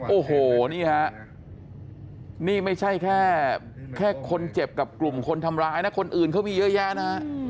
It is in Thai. โอ้โหนี่ฮะนี่ไม่ใช่แค่คนเจ็บกับกลุ่มคนทำร้ายนะคนอื่นเขามีเยอะแยะนะฮะ